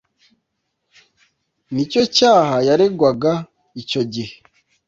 nicyo cyaha yaregwaga icyo gihe